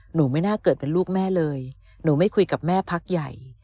หนูไม่น่าเกิดเป็นลูกแม่เลยหนูไม่คุยกับแม่พักใหญ่